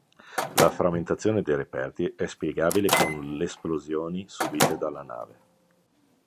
La frammentazione dei reperti è spiegabile con l'esplosioni subite dalla nave.